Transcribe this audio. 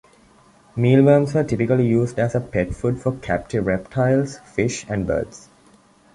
Mealworms are typically used as a pet food for captive reptiles, fish, and birds.